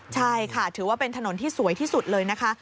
ใช่ค่ะถือว่าเป็นถนนที่สวยที่สุดเลยนะคะ